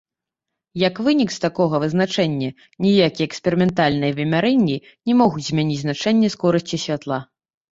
Як вынік з такога вызначэння, ніякія эксперыментальныя вымярэнні не могуць змяніць значэнне скорасці святла.